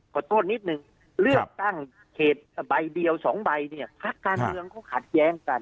ขอโทษนิดนึงเลือกตั้งเขตใบเดียวสองใบเนี่ยพักการเมืองเขาขัดแย้งกัน